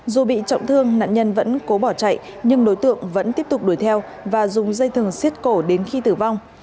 dù bị trọng thương nạn nhân vẫn cố bỏ chạy nhưng đối tượng vẫn tiếp tục đuổi theo và dùng dây thừng xiết cổ đến khi tử vong